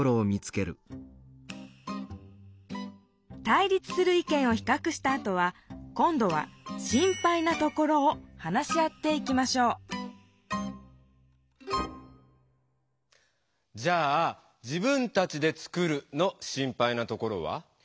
対立する意見をひかくしたあとは今どは「心配なところ」を話し合っていきましょうじゃあ「自分たちで作る」の「心配なところ」は？